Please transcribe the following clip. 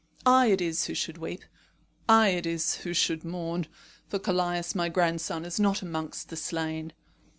I it is who should weep. I it is who should mourn. For Callias, my grandson, is not amongst the slain.